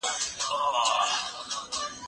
زه به اوږده موده مړۍ خوړلي وم